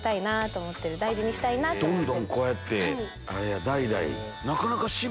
どんどんこうやって代々。